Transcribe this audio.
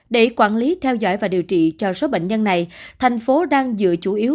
để quản lý theo dõi và điều trị cho số bệnh nhân này thành phố đang dựa chủ yếu